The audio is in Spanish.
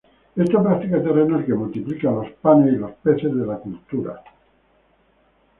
Esta práctica terrenal que multiplica los panes y los peces de la cultura